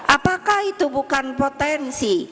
apakah itu bukan potensi